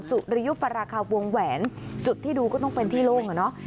สุริยุปราคาวงแหวนจุดที่ดูก็ต้องเป็นที่โล่งอ่ะเนอะ